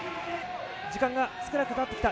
時間が少なくなってきた。